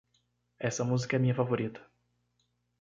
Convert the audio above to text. Essa música é minha favorita.